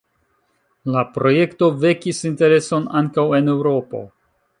La projekto vekis intereson ankaŭ en Eŭropo.